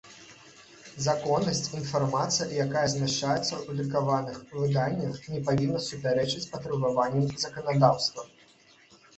Законнасць – iнфармацыя, якая змяшчаецца ў друкаваных выданнях, не павiнна супярэчыць патрабаванням заканадаўства.